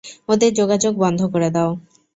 ওদের যোগাযোগ বন্ধ করে দাও।